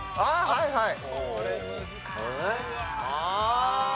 はいはい。